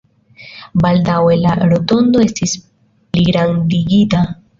Baldaŭe la rotondo estis pligrandigita.